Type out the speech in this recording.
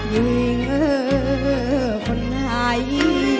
ยุ้ยเงินคนหาย